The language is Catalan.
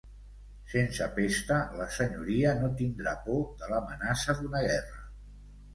Sense pesta la Senyoria no tindrà por de I'amenaça d'una guerra.